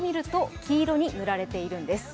金色に塗られているんです。